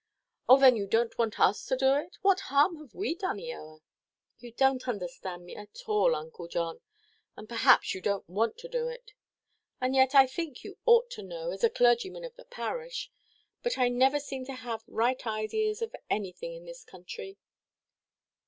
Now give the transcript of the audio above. "Oh, then you donʼt want us to do it. What harm have we done, Eoa?" "You donʼt understand me at all, Uncle John. And perhaps you donʼt want to do it. And yet I did think that you ought to know, as the clergyman of the parish. But I never seem to have right ideas of anything in this country!"